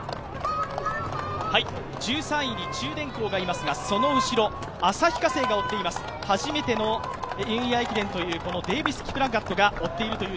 １３位に中電工がいますが、その後ろ旭化成が追っています、初めてのニューイヤー駅伝というキプラガットが追っています。